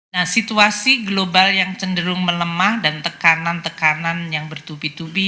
nah situasi global yang cenderung melemah dan tekanan tekanan yang bertubi tubi